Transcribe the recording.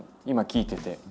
今聞いてて。